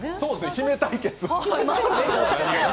姫対決。